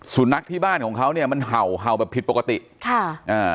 สุนัขที่บ้านของเขาเนี่ยมันเห่าเห่าแบบผิดปกติค่ะอ่า